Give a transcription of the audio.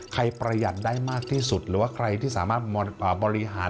ประหยัดได้มากที่สุดหรือว่าใครที่สามารถบริหาร